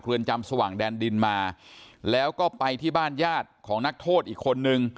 เรือนจำสว่างแดนดินมาแล้วก็ไปที่บ้านญาติของนักโทษอีกคนนึง